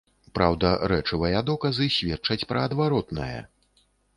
Праўда, рэчавыя доказы сведчаць пра адваротнае.